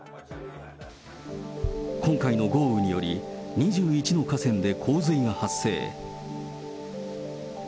今回の豪雨により、２１の河川で洪水が発生。